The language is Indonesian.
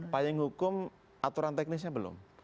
payung hukum aturan teknisnya belum